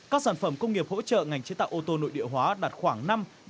các sản phẩm công nghiệp hỗ trợ ngành chế tạo ô tô nội địa hóa đạt khoảng năm mươi